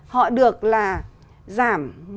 họ được là giảm